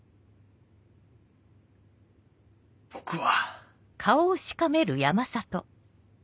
僕は。